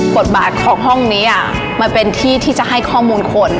บทบาทของห้องนี้มันเป็นที่ที่จะให้ข้อมูลคน